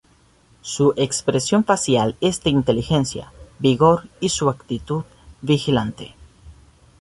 Su expresión facial es de inteligencia, vigor y su actitud vigilante.